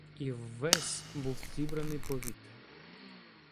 І ввесь був зібраний повіт.